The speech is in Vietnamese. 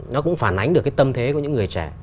nó cũng phản ánh được cái tâm thế của những người trẻ